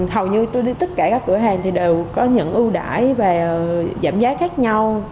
hầu như tất cả các cửa hàng đều có những ưu đãi và giảm giá khác nhau